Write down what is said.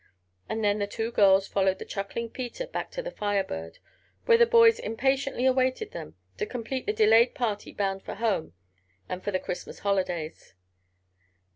And then the two girls followed the chuckling Peter back to the Fire Bird, where the boys impatiently awaited them, to complete the delayed party bound for home, and for the Christmas holidays.